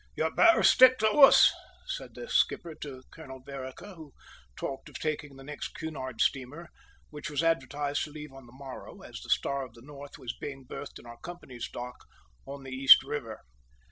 "You'd better stick to us," said the skipper to Colonel Vereker, who talked of taking the next Cunard steamer, which was advertised to leave on the morrow, as the Star of the North was being berthed in our company's dock on the East River.